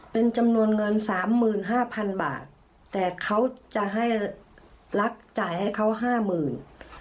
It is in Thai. เป็นจำนวนเงินสามหมื่นห้าพันบาทแต่เขาจะให้รัฐจ่ายให้เขาห้าหมื่น